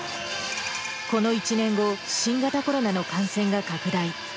この１年後、新型コロナの感染が拡大。